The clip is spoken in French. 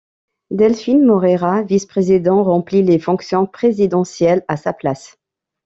Delfim Moreira, vice-président, remplit les fonctions présidentielles à sa place.